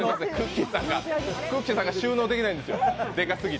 さんが収納できないんですよ。